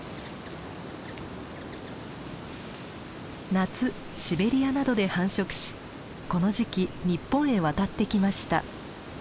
夏シベリアなどで繁殖しこの時期日本へ渡ってきました。